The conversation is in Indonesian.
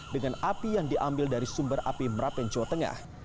dengan api yang diambil dari sumber api merapenco tengah